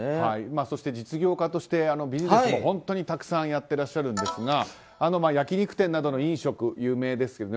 そして、実業家としてビジネスも本当にたくさんやってらっしゃるんですが焼き肉店などの飲食有名ですよね。